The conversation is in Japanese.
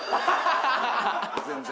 全然。